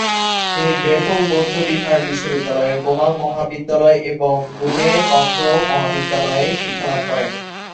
তিনি দ্রেপুং বৌদ্ধবিহার বিশ্ববিদ্যালয়ের গোমাং মহাবিদ্যালয় এবং গ্যুমে তন্ত্র মহাবিদ্যালয়ে শিক্ষালাভ করেন।